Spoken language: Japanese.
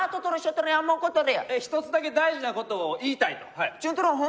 一つだけ大事なことを言いたいと。